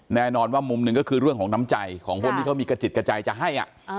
แน่นอนว่ามุมหนึ่งก็คือเรื่องของน้ำใจของคนที่เขามีกระจิตกระใจจะให้